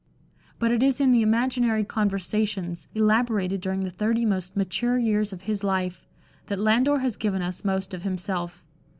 But it is in the Imaginary Conversations, elaborated during the thirty most mature years of his life, that Landor has given us most of himself.